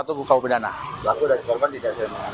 pelaku dan korban tidak saling mengenal